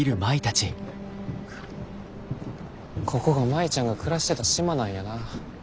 ここが舞ちゃんが暮らしてた島なんやな。